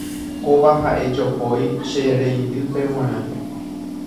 Kóva ha'e jopói che reindýpe g̃uarã.